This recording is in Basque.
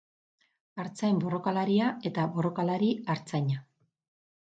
Artzain borrokalaria eta borrokalari artzaina.